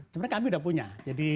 sebenarnya kami sudah punya